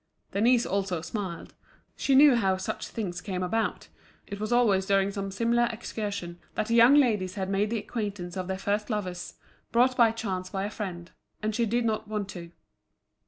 Denise also smiled. She knew how such things came about; it was always during some similar excursions that the young ladies had made the acquaintance of their first lovers, brought by chance by a friend; and she did not want to.